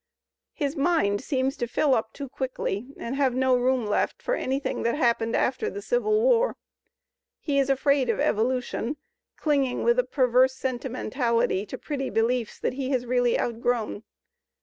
His mind seems to fill up too quickly and have no room left for any thing that happened after the Civil War. He is afraid of evolution, clinging with a perverse sentimentaUty to pretty beliefs that he has really outgrown.